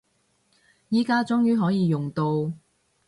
而家終於可以用到